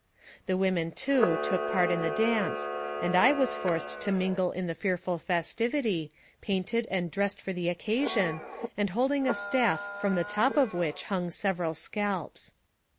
The women, too, took part in the dance, and I was forced to mingle in the fearful festivity, painted and dressed for the occasion, and holding a staft from the top of which hung several scalps.